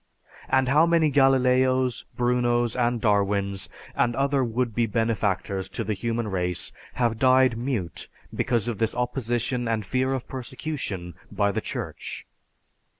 And how many Galileos, Brunos, and Darwins, and other would be benefactors to the human race have died mute because of this opposition and fear of persecution by the Church?